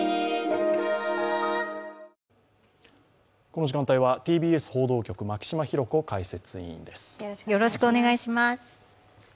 この時間帯はＴＢＳ報道局牧嶋博子解説委員です。